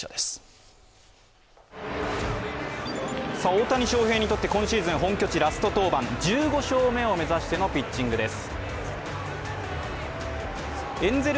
大谷翔平にとって今シーズン本拠地ラスト登板１５勝目を目指してのピッチングです。